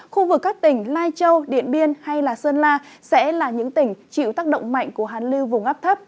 khu vực các tỉnh lai châu điện biên hay sơn la sẽ là những tỉnh chịu tác động mạnh của hàn lưu vùng áp thấp